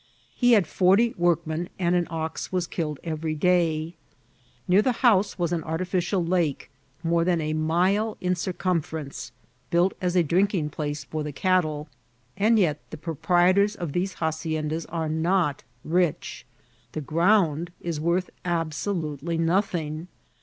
He had forty workmen, and an ox was killed every day. Near the house was an artificial lake, more than a mile in circumference, built as a drinking place for cattle. And yet the proprietors of these haciendas are not rich ; the ground is worth absolutely nothing.